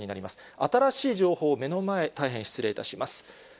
新しい情報、目の前、大変失礼いたします。